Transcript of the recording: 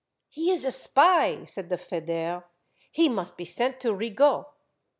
"■ He is a spy," said th^federh, " he must be sent to Rigault."